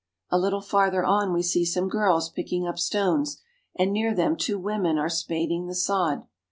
A little farther on we see some girls picking up stones, and near them two women are spading the sod.